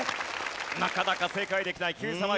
なかなか正解できないＱさま！！